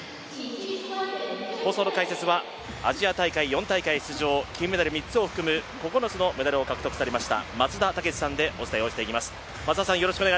放送の解説はアジア大会４大会出場金メダル３つを含む９つのメダルを獲得されました松田丈志さんでお伝えをしていきます。